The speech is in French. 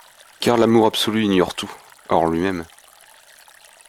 Car l’amour absolu ignore tout ; hors lui-même.